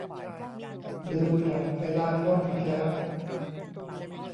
ลืมปรับเวลากล้องอีกแล้ว